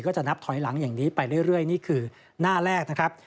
จะนับถอยหลังอย่างนี้ไปเรื่อยนี่คือหน้าแรกนะครับ